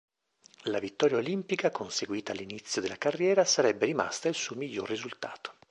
La vittoria olimpica, conseguita all'inizio della carriera, sarebbe rimasta il suo miglior risultato.